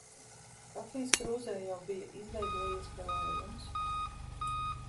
Kafijas krūzē jau bija izveidojies pelējums.